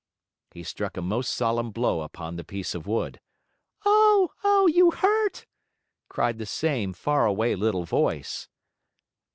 He struck a most solemn blow upon the piece of wood. "Oh, oh! You hurt!" cried the same far away little voice.